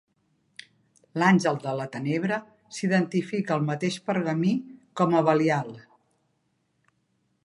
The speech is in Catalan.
L'Àngel de la Tenebra s'identifica al mateix pergamí com a Belial.